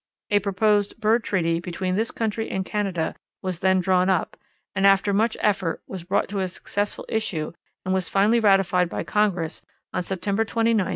A proposed bird treaty between this country and Canada was then drawn up, and after much effort was brought to a successful issue and was finally ratified by Congress on September 29, 1916.